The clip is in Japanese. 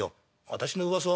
「私のうわさ？